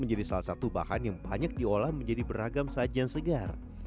menjadi salah satu bahan yang banyak diolah menjadi beragam sajian segar